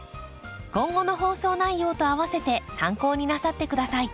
今後の放送内容とあわせて参考になさって下さい。